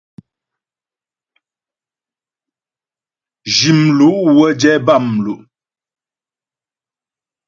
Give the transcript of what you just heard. Zhi mlu' wə́ jɛ bâmlu'.